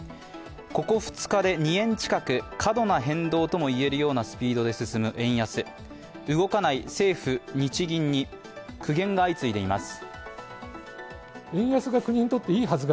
ここ２日で２円近く過度な変動とも言えるようなスピードで進む円安、動かない政府・日銀に苦言が相次いでいます。